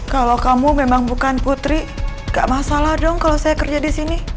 kalau kamu memang bukan putri gak masalah dong kalau saya kerja di sini